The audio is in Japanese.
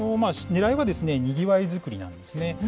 ねらいは、にぎわい作りなんですね。